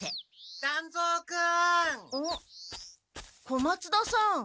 小松田さん。